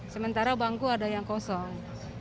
sementara bangku ada yang kosong